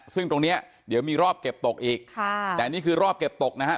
ซึ่งตรงเนี้ยเดี๋ยวมีรอบเก็บตกอีกค่ะแต่นี่คือรอบเก็บตกนะฮะ